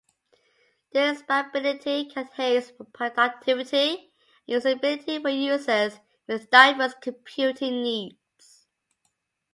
This expandability can enhance productivity and usability for users with diverse computing needs.